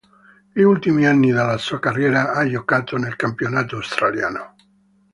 Gli ultimi anni della sua carriera ha giocato nel campionato australiano.